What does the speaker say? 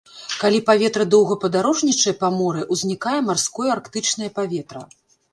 Калі паветра доўга падарожнічае па моры, узнікае марское арктычнае паветра.